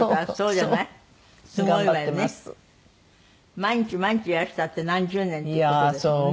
毎日毎日いらしたって何十年って事ですもんね。